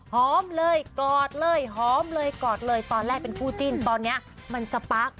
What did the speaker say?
หอมเลยกอดเลยหอมเลยกอดเลยตอนแรกเป็นคู่จิ้นตอนนี้มันสปาร์ค